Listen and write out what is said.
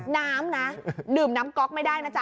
น้ำนะดื่มน้ำก๊อกไม่ได้นะจ๊